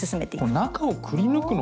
中をくりぬくのか。